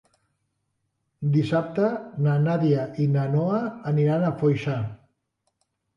Dissabte na Nàdia i na Noa aniran a Foixà.